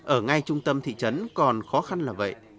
ở ngay trung tâm thị trấn còn khó khăn là vậy